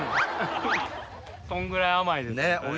そんぐらい甘い。